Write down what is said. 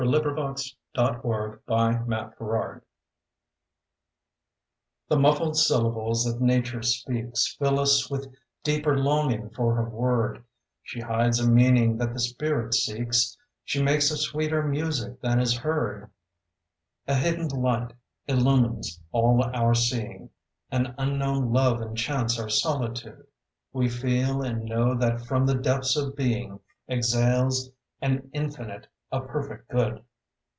ELEGIAC AND LYRIC POEMS PREMONITION The muffled syllables that Nature speaks Fill us with deeper longing for her word; She hides a meaning that the spirit seeks, She makes a sweeter music than is heard. A hidden light illumines all our seeing, An unknown love enchants our solitude. We feel and know that from the depths of being Exhales an infinite, a perfect good.